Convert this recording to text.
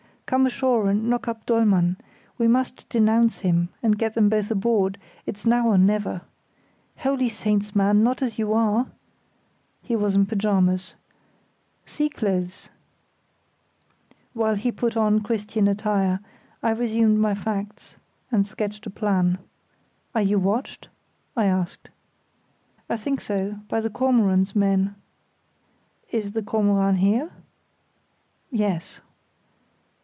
Come ashore and knock up Dollmann; we must denounce him, and get them both aboard; it's now or never. Holy Saints! man, not as you are!" (He was in pyjamas.) "Sea clothes!" While he put on Christian attire, I resumed my facts and sketched a plan. "Are you watched?" I asked. "I think so; by the Kormoran's men." "Is the Kormoran here?" "Yes."